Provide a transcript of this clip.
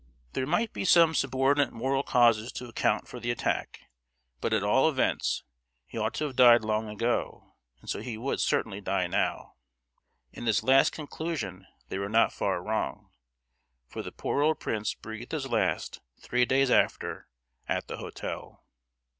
There might be some subordinate moral causes to account for the attack; but at all events he ought to have died long ago; and so he would certainly die now. In this last conclusion they were not far wrong; for the poor old prince breathed his last three days after, at the hotel.